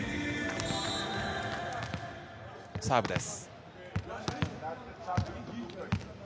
サーブです。